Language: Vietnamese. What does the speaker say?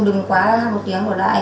đừng quá hát một tiếng ở lại